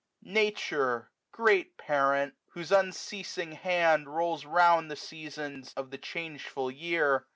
Nature! great parent! whose unceasing hand Rolls round the Seasons of the changeful year.